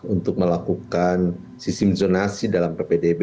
untuk melakukan sistem zonasi dalam ppdb